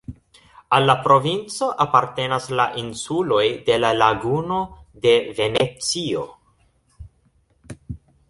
Al la provinco apartenas la insuloj de la Laguno de Venecio.